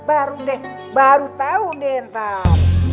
baru deh baru tau deh entar